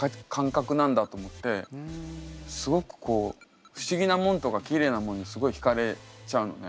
すごくこう不思議なもんとかきれいなもんにすごい引かれちゃうのね。